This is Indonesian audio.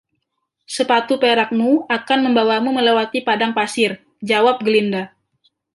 "Sepatu Perakmu akan membawamu melewati padang pasir," jawab Glinda.